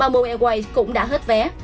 ba mô airways cũng đã hết vé